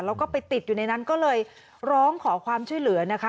แล้วก็ไปติดอยู่ในนั้นก็เลยร้องขอความช่วยเหลือนะคะ